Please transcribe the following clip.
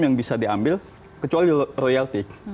yang bisa diambil kecuali royaltik